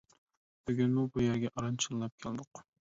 بۈگۈنمۇ بۇ يەرگە ئاران چىللاپ كەلدۇق.